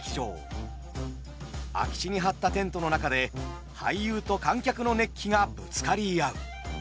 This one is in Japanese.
空き地に張ったテントの中で俳優と観客の熱気がぶつかり合う。